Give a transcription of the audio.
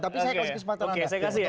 tapi saya kasih kesempatan